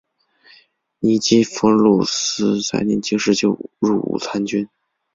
尼基弗鲁斯在年轻时就入伍参军。